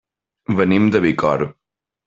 Venim de Bicorb.